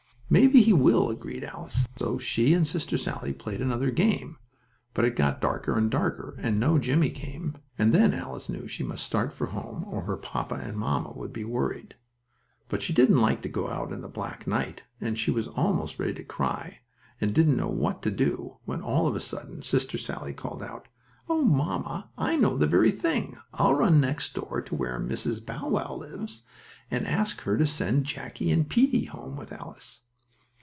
"Maybe he will," agreed Alice, so she and Sister Sallie played another game, but it got darker and darker, and no Jimmie came, and then Alice knew she must start for home, or her papa and mamma would be worried. But she didn't like to go out in the black night, and she was almost ready to cry, and didn't know what to do, when, all of a sudden, Sister Sallie called out: "Oh, mamma, I know the very thing! I'll run next door, to where Mrs. Bow Wow lives, and ask her to send Jackie and Peetie home with Alice."